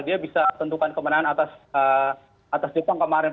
dia bisa tentukan kemenangan atas jepang kemarin